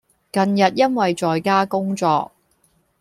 近日因為在家工作